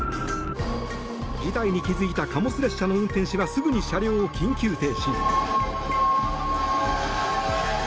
事態に気付いた貨物列車の運転士はすぐに車両を緊急停止。